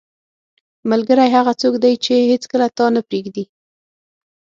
• ملګری هغه څوک دی چې هیڅکله تا نه پرېږدي.